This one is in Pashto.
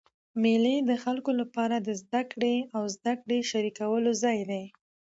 مېلې د خلکو له پاره د زدهکړي او زدهکړي شریکولو ځای دئ.